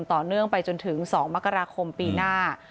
ต่อเนื่องไปจนถึง๒มกราคมปีหน้า